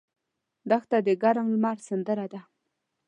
دښته د ګرم لمر سندره ده.